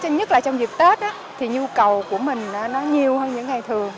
nhất là trong dịp tết thì nhu cầu của mình nó nhiều hơn những ngày thường